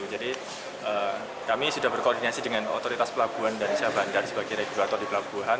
jadi kami sudah berkoordinasi dengan otoritas pelabuhan dan siapang dari sebagai regulator di pelabuhan